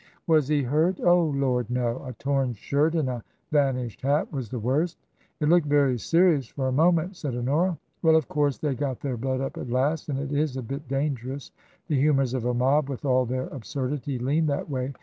" Was he hurt ?"" Oh Lord, no ! A torn shirt and a vanished hat was the worst.'* " It looked very serious for a moment," said Honora. " Well, of course they got their blood up at last, and it is a bit dangerous — ^the humours of a mob with all their absurdity lean that way.